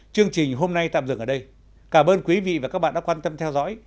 chương trình hôm nay tạm dừng ở đây cảm ơn quý vị và các bạn đã quan tâm theo dõi